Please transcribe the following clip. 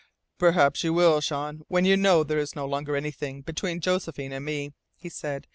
"Perhaps you will, Jean, when you know there is no longer anything between Josephine and me," he said.